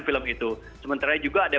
film itu sementara juga ada